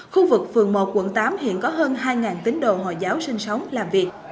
khu vực phường một quận tám hiện có hơn hai tín đồ hồi giáo sinh sống làm việc